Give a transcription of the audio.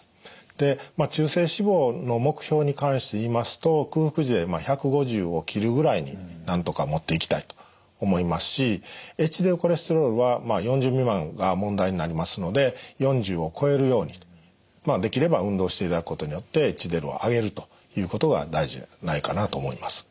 で中性脂肪の目標に関して言いますと空腹時で１５０を切るぐらいになんとかもっていきたいと思いますしＨＤＬコレステロールはまあ４０未満が問題になりますので４０を超えるようにできれば運動していただくことによってＨＤＬを上げるということが大事じゃないかなと思います。